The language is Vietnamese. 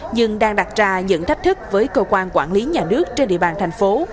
nhưng đang đặt ra những thách thức với cơ quan quản lý nhà nước trên địa bàn thành phố